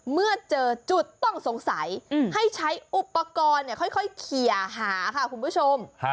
เมื่อเจอจุดต้องสงสัยให้ใช้อุปกรณ์ค่อยเขียหาค่ะคุณผู้ชม